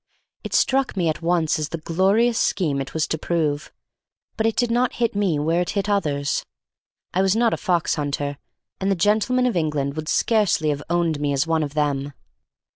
It struck me at once as the glorious scheme it was to prove, but it did not hit me where it hit others. I was not a fox hunter, and the gentlemen of England would scarcely have owned me as one of them.